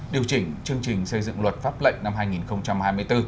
điều chỉnh chương trình xây dựng luật pháp lệnh năm hai nghìn hai mươi bốn